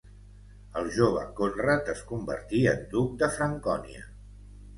El jove Conrad es convertí en duc de Francònia.